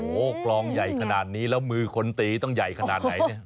โอ้โหกลองใหญ่ขนาดนี้แล้วมือคนตีต้องใหญ่ขนาดไหนเนี่ย